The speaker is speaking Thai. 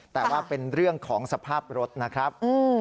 แต่ว่าเป็นเรื่องของสภาพรถนะครับ